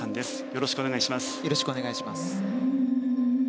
よろしくお願いします。